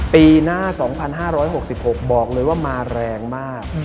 ปีหน้า๒๕๖๖บอกเลยว่ามาแรงมาก